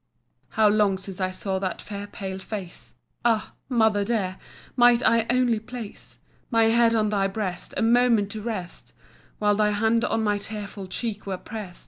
How long since I saw that fair pale face! Ah! Mother dear! might I only place My head on thy breast, a moment to rest, While thy hand on my tearful cheek were prest!